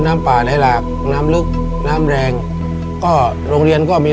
ในแคมเปญพิเศษเกมต่อชีวิตโรงเรียนของหนู